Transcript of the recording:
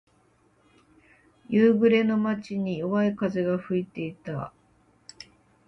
夕暮れの街に、弱い風が吹いていた。